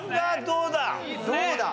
どうだ？